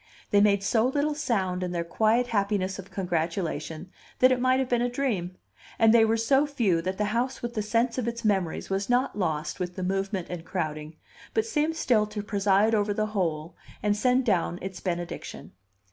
They made so little sound in their quiet happiness of congratulation that it might have been a dream; and they were so few that the house with the sense of its memories was not lost with the movement and crowding, but seemed still to preside over the whole, and send down its benediction.